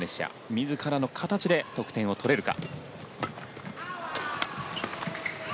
自らの形で得点を取れるか。